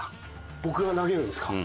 僕が投げるんですか？